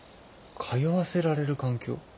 通わせられる環境？